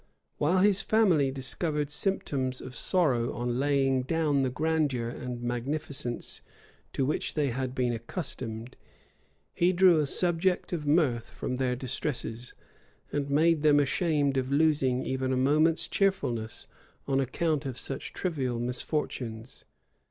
While his family discovered symptoms of sorrow on laying down the grandeur and magnificence to which they had been accustomed, he drew a subject of mirth from their distresses; and made them ashamed of losing even a moment's cheerfulness on account of such trivial misfortunes.